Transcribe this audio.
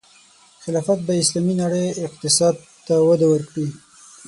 خلافت به د اسلامي نړۍ اقتصاد ته وده ورکړي.